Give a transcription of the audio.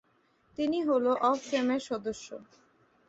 তিনি hall of ফেমের সদস্য।